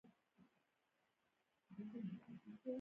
زه مې ځان په ځانوچوني وچوم